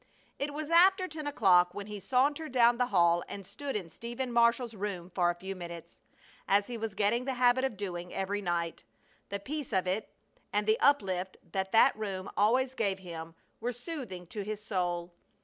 It was after ten o'clock when he sauntered down the hall and stood in Stephen Marshall's room for a few minutes, as he was getting the habit of doing every night. The peace of it and the uplift that that room always gave him were soothing to his soul.